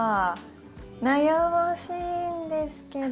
悩ましいんですけど。